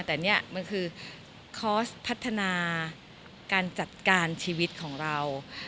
แต่นี่มันคือคอร์สพัฒนาการจัดการชีวิตของเรา